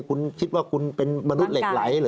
คุณคิดว่าคุณเป็นมนุษย์เหล็กไหลเหรอ